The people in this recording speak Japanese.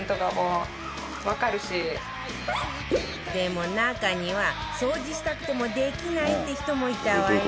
でも中には掃除したくてもできないって人もいたわよ